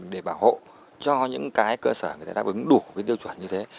để bảo hộ cho những cái cơ sở đáp ứng đủ cái tiêu chuẩn như thế